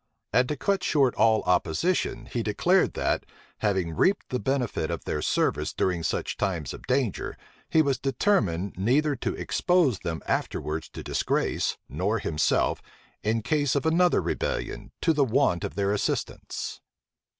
And to cut short all opposition, he declared, that, having reaped the benefit of their service during such times of danger he was determined neither to expose them afterwards to disgrace, nor himself, in case of another rebellion, to the want of their assistance.